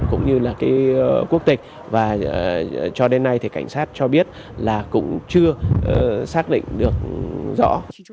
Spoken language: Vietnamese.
cũng như là cái quốc tịch và cho đến nay thì cảnh sát cho biết là cũng chưa xác định được rõ